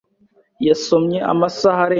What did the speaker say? Yasomye amasaha arenga abiri nigice. .